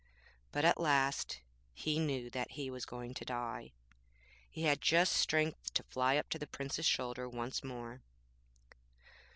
But at last he knew that he was going to die. He had just strength to fly up to the Prince's shoulder once more.'